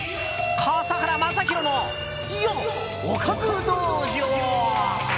笠原将弘のおかず道場。